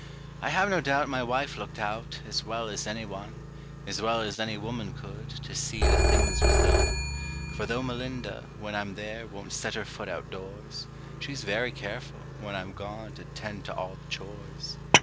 I have no doubt my wife looked out, as well as any one As well as any woman could to see that things was done: For though Melinda, when I'm there, won't set her foot outdoors, She's very careful, when I'm gone, to tend to all the chores.